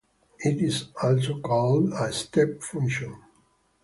It is also called a step function.